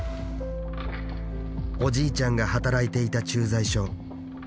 おじいちゃんが働いていた駐在所。